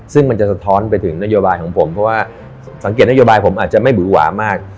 ซึ่งมันจะสะท้อนไปถึงนโยบายของผมเพราะว่าสังเกตนโยบายผมอาจจะไม่หวือหวามาก